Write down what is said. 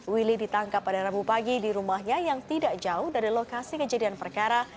willy ditangkap pada rabu pagi di rumahnya yang tidak jauh dari lokasi kejadian perkara